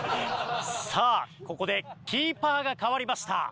さあここでキーパーが代わりました。